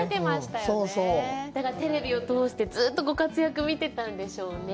テレビを通してずっとご活躍、見てたんでしょうね。